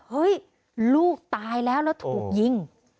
เฮ้ยลูกตายแล้วแล้วถูกยิง